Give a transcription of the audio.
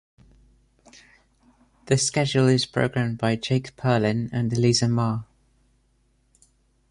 The schedule is programmed by Jake Perlin and Aliza Ma.